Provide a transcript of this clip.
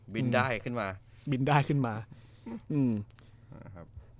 บินได้ขึ้นมาบินได้ขึ้นมาอืมนะฮะ